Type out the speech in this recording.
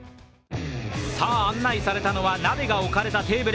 さあ、案内されたのは鍋が置かれたテーブル。